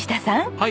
はい。